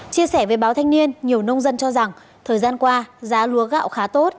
chia sẻ với báo thanh niên nhiều nông dân cho rằng thời gian qua giá lúa gạo khá tốt